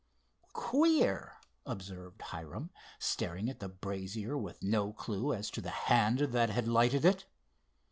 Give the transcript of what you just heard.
"Queer," observed Hiram, staring at the brazier with no clue as to the hand that had lighted it.